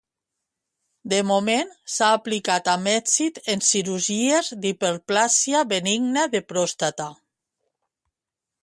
De moment, s'ha aplicat amb èxit en cirurgies d'hiperplàsia benigna de pròstata.